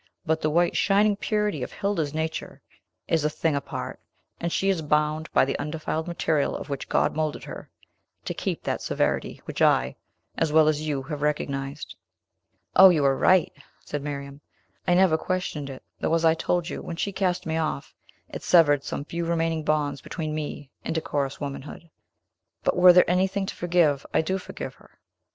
But the white shining purity of Hilda's nature is a thing apart; and she is bound, by the undefiled material of which God moulded her, to keep that severity which I, as well as you, have recognized." "O, you are right!" said Miriam; "I never questioned it; though, as I told you, when she cast me off, it severed some few remaining bonds between me and decorous womanhood. But were there anything to forgive, I do forgive her.